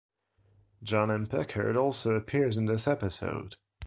John M. Pickard also appears in this episode.